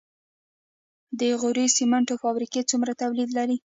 د غوري سمنټو فابریکه څومره تولید لري؟